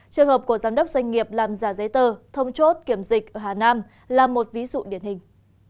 trường hợp của giám đốc doanh nghiệp làm giả giấy tờ thông chốt kiểm dịch ở hà nam là một ví dụ điển hình